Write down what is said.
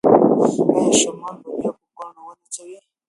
ایا شمال به بیا هم پاڼه ونڅوي؟